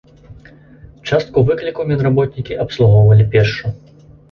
Частку выклікаў медработнікі абслугоўвалі пешшу.